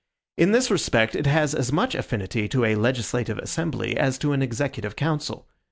In this respect, it has as much affinity to a legislative assembly as to an executive council.